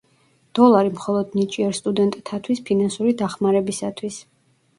დოლარი მხოლოდ ნიჭიერ სტუდენტთათვის ფინანსური დახმარებისათვის.